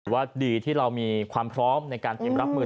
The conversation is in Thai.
ว่าดีที่เรามีความพร้อมในการเตรียมรับมือ